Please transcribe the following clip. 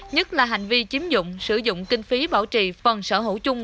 nhất là hành vi chiếm dụng sử dụng kinh phí bảo trì phần sở hữu chung